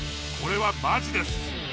これはマジです。